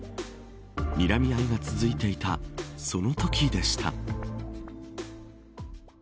にらみ合いが続いていたそのときでした。